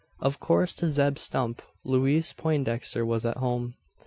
Of course to Zeb Stump, Louise Poindexter was at home.